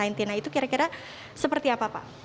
nah itu kira kira seperti apa pak